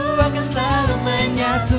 kau dan aku akan selalu menyatu